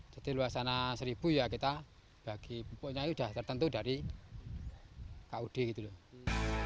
jadi luasana seribu ya kita bagi pupuknya itu sudah tertentu dari kud gitu lho